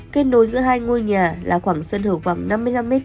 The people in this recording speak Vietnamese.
kết nối giữa hai ngôi nhà là khoảng sân hữu khoảng năm mươi năm m hai